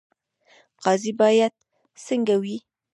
قاضي باید څنګه وي؟